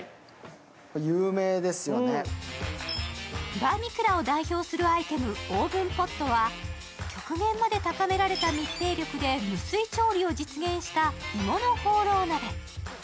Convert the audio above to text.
バーミキュラを代表するアイテム、オーブンポットは極限まで高められた密閉力で無水調理を実現した鋳物ホーロー鍋。